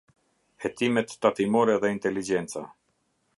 Hetimet Tatimore dhe Inteligjenca.